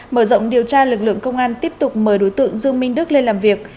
mở rộng điều tra lực lượng công an tiếp tục mời đối tượng dương minh đức lên làm việc